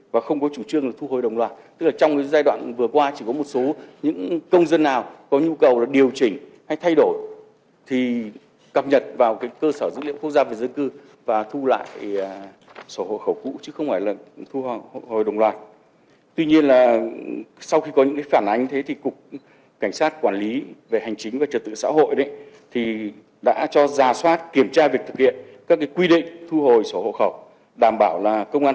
bộ công an không có chủ trương thu hồi sổ hộ khẩu mà chỉ thu hồi sổ hộ khẩu đã được cấp